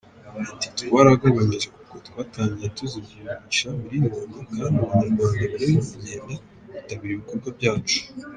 Ati “Twaragabanyije kuko twatangiye tuzigurisha miliyoni, kandi Abanyarwanda barimo kugenda bitabira ibikorwa byacu.